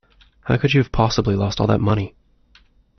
How could you have possibly lost all that money?